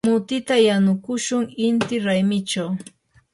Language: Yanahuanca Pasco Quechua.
mutita yanukushun inti raymichaw.